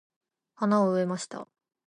花を植えました。